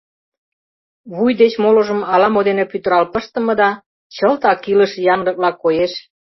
Вуй деч молыжым ала-мо дене пӱтырал пыштыме да чылтак илыше янлыкла коеш.